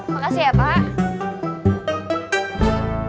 makasih ya pak